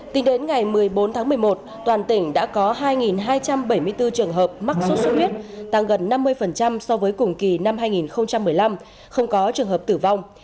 tính đến ngày một mươi bốn tháng một mươi một toàn tỉnh đã có hai hai trăm bảy mươi bốn trường hợp mắc sốt xuất huyết tăng gần năm mươi so với cùng kỳ năm hai nghìn một mươi năm không có trường hợp tử vong